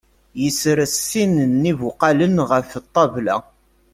Isres sin n ibuqalen ɣef ṭṭabla.